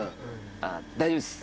あっ大丈夫っす。